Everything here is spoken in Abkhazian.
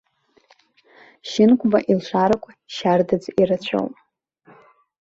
Шьынқәба илшарақәа шьардаӡа ирацәоуп.